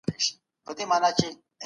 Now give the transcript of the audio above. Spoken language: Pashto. ايا حضوري ټولګي د ټولګي بحث پياوړی کوي؟